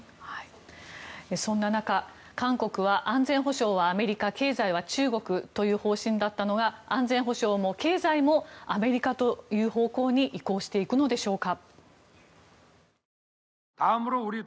そんな中、韓国は安全保障はアメリカ経済は中国という方針だったのが安全保障も経済もアメリカという方向に移行していくのでしょうか。